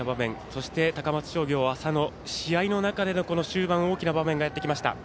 そして、高松商業、浅野試合の中で、この終盤大きな場面がやってきました。